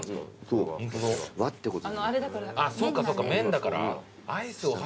そっかそっか麺だから。